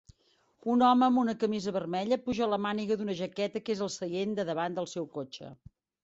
Un home amb una camisa vermella apuja a màniga d'una jaqueta que és al seient de davant del seu cotxe.